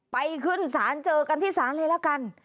ไปขึ้นศาลเจอกันที่ศาลเลยละกัน